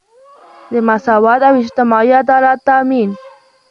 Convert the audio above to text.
د مساوات او اجتماعي عدالت تامین.